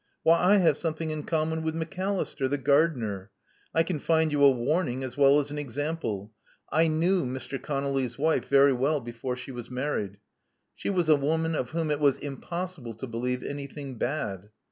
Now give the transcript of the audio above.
Why, I have something in common with Macalister, the gardener. I can find you a warning as well as an example. I knew Mr. 304 Love Among the Artists ConoUy's wife very well before she was married. She was a woman of whom it was impossible to believe anything bad.